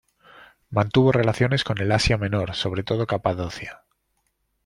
Mantuvo relaciones con el Asia Menor, sobre todo Capadocia.